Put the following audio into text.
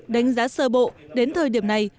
đánh giá sơ bộ đến thời điểm này